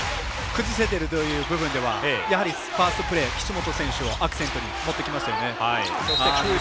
崩せてるという部分ではやはりファーストプレー岸本選手をアクセントに持ってきましたよね。